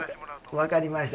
分かりました。